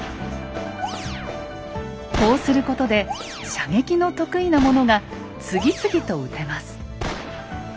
こうすることで射撃の得意な者が次々と撃てます。